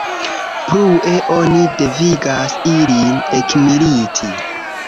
Plue oni devigas ilin ekmiliti.